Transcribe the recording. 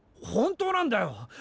本当なんだよ！